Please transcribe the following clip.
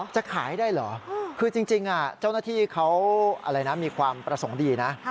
จะขายได้เหรอคือจริงเจ้าหน้าที่เขาอะไรนะมีความประสงค์ดีนะ